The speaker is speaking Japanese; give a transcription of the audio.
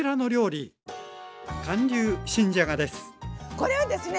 これはですね